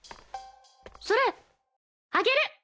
それあげる！